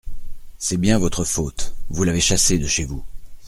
C’est bien votre faute… vous l’avez chassé de chez vous…